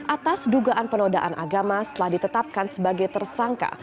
atas dugaan penodaan agama setelah ditetapkan sebagai tersangka